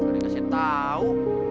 gak dikasih tahu